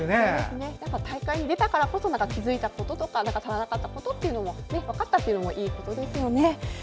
大会に出たからこそ気付いたこととか足らなかったことも分かったというのもいいことですよね。